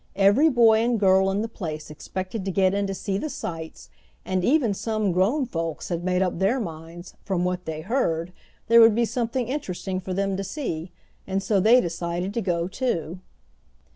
Every boy and girl in the place expected to get in to see the sights, and even some grown folks had made up their minds, from what they heard, there would be something interesting for them to see, and so they decided to go too.